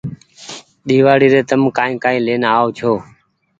ۮيوآڙي ري تم ڪآئي ڪآئي لين آئو ڇو